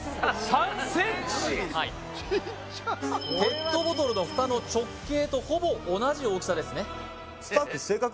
ちっこすぎるペットボトルのフタの直径とほぼ同じ大きさですね